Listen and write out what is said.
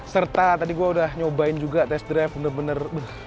serta tadi gue udah nyobain juga tes drive bener bener